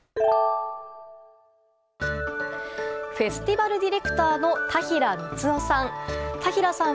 フェスティバル・ディレクターの田平美津夫さん。